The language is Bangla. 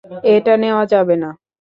এটা নেয়া যাবে না।